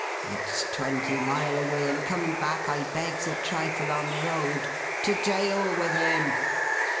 It's twenty mile away; and coming back I begs a trifle on the road. To jail with him!